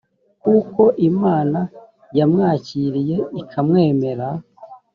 kuko imana yamwakiriye ikamwemera